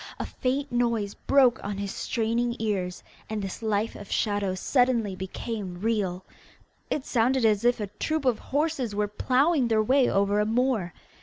a faint noise broke on his straining ears, and this life of shadows suddenly became real. It sounded as if a troop of horses were ploughing their way over a moor.